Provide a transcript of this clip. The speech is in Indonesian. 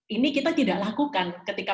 ini kita tidak lakukan ketika